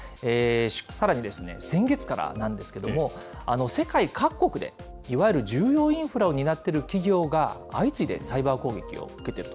さらにですね、先月からなんですけれども、世界各国でいわゆる重要インフラを担っている企業が、相次いでサイバー攻撃を受けていると。